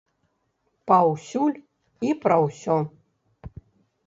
Паўсюль і пра ўсё.